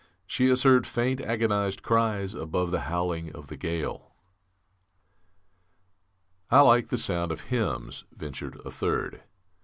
She has heard faint agonized cries above the howling of the gale ""I like the sound of hymns," ventured a third.